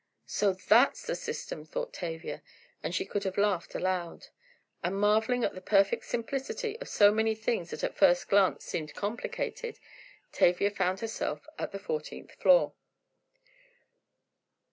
"So that's the system," thought Tavia, and she could have laughed aloud. And marveling at the perfect simplicity of so many things that at first glance seemed complicated, Tavia found herself at the fourteen floor.